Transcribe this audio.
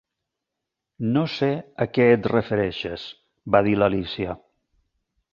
"No sé a què et refereixes", va dir l'Alícia..